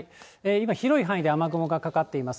今、広い範囲で雨雲がかかっています。